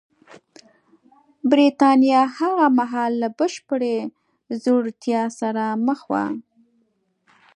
برېټانیا هغه مهال له بشپړې ځوړتیا سره مخ وه